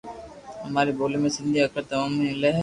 اماري ٻولي ۾ سندي اکر تموم ملي ھي